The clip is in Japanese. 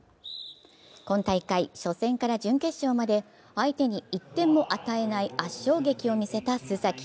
今大会、初戦から準決勝まで相手に１点も与えない圧勝劇を見せた須崎。